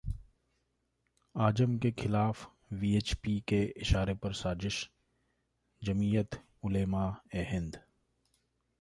आजम के खिलाफ वीएचपी के इशारे पर साजिश: जमीयत उलेमा ए हिंद